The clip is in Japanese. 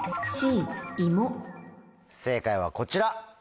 正解はこちら。